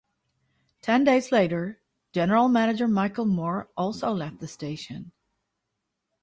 Ten days later, general manager Michael Moor also left the station.